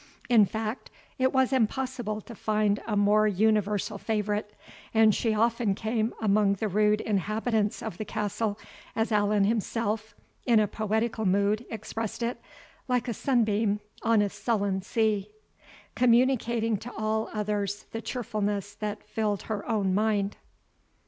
In fact, it was impossible to find a more universal favourite, and she often came among the rude inhabitants of the castle, as Allan himself, in a poetical mood, expressed it, "like a sunbeam on a sullen sea," communicating to all others the cheerfulness that filled her own mind.